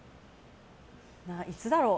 いつだろう。